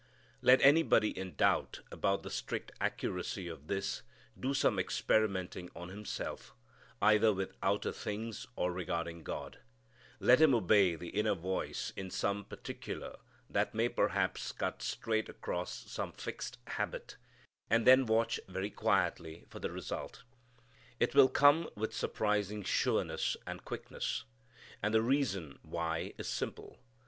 Let anybody in doubt about the strict accuracy of this do some experimenting on himself, either with outer things or regarding God. Let him obey the inner voice in some particular that may perhaps cut straight across some fixed habit, and then watch very quietly for the result. It will come with surprising sureness and quickness. And the reason why is simple.